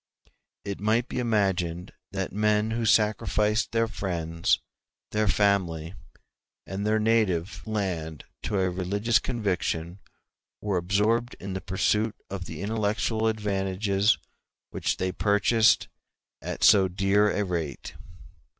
It might be imagined that men who sacrificed their friends, their family, and their native land to a religious conviction were absorbed in the pursuit of the intellectual advantages which they purchased at so dear a rate.